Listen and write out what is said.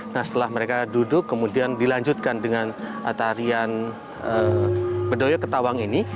nah setelah mereka duduk kemudian dilanjutkan dengan tarian bedoyo ketawang ini